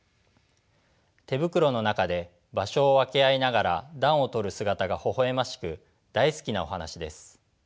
手袋の中で場所を分け合いながら暖を取る姿がほほ笑ましく大好きなお話です。